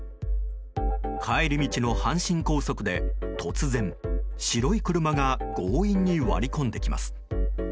帰り道の阪神高速で突然、白い車が強引に割り込んできます。